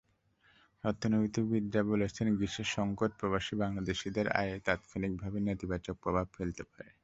অর্থনীতিবিদেরা বলছেন, গ্রিসের সংকট প্রবাসী বাংলাদেশিদের আয়ে তাৎক্ষণিকভাবে নেতিবাচক প্রভাব ফেলতে পারে।